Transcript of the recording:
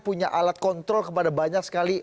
punya alat kontrol kepada banyak sekali